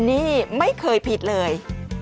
นี่ไม่เคยผิดเลย